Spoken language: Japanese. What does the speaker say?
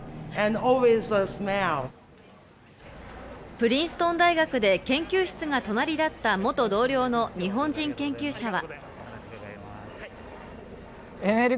プリンストン大学で研究室が隣だった元同僚の日本人研究者は。